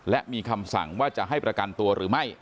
และมีคำสั่งว่าจะให้ประกันตัวหรือไม่